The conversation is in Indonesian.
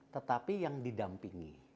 tetapi yang didampingi